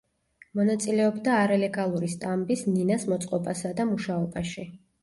მონაწილეობდა არალეგალური სტამბის „ნინას“ მოწყობასა და მუშაობაში.